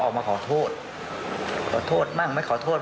มันมีโอกาสเกิดอุบัติเหตุได้นะครับ